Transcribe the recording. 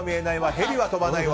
ヘリは飛ばないわ。